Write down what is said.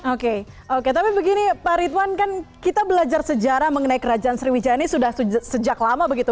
oke oke tapi begini pak ridwan kan kita belajar sejarah mengenai kerajaan sriwijaya ini sudah sejak lama begitu